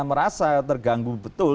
merasa terganggu betul